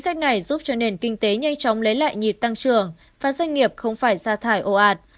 sách này giúp cho nền kinh tế nhanh chóng lấy lại nhịp tăng trưởng và doanh nghiệp không phải ra thải ồ ạt